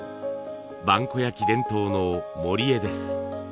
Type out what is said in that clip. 萬古焼伝統の盛絵です。